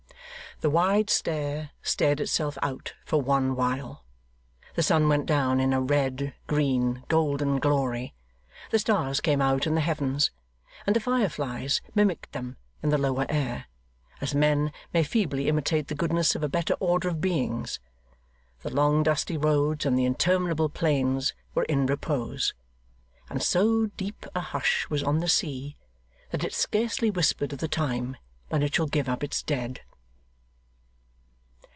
The wide stare stared itself out for one while; the Sun went down in a red, green, golden glory; the stars came out in the heavens, and the fire flies mimicked them in the lower air, as men may feebly imitate the goodness of a better order of beings; the long dusty roads and the interminable plains were in repose and so deep a hush was on the sea, that it scarcely whispered of the time when it shall give up its dead.